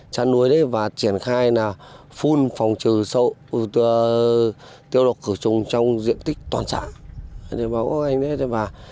trăn núi và triển khai phun phòng trừ tiêu độc khử trùng trong diện tích toàn trạng